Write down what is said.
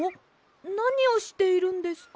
なにをしているんですか？